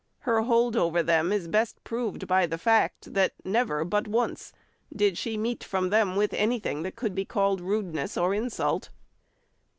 Her hold over them is best proved by the fact that never but once did she meet from them with anything that could be called rudeness or insult.